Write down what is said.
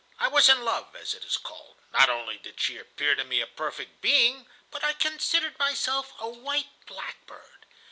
I was in love, as it is called; not only did she appear to me a perfect being, but I considered myself a white blackbird.